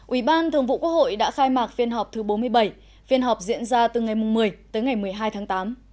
ubthqh đã khai mạc phiên họp thứ bốn mươi bảy phiên họp diễn ra từ ngày một mươi tới ngày một mươi hai tháng tám